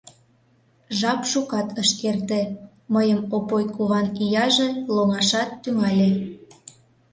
Жап шукат ыш эрте, мыйым Опой куван ияже лоҥашат тӱҥале.